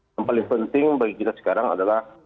yang paling penting bagi kita sekarang adalah